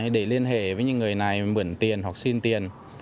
để liên hệ với những người này mượn tiền hoặc xin tiền